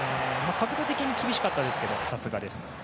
角度的に厳しかったですけどさすがです。